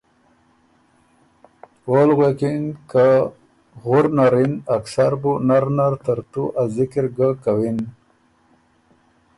اول غوېکِن که ” غُر نر اِن، اکثر بُو نر نر ترتُو ا ذِکِر ګه کَوِن